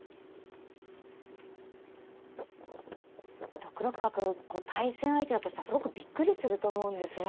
６六角対戦相手だとしたらすごくびっくりすると思うんですが。